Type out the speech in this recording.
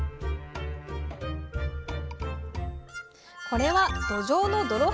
これはどじょうの泥はき。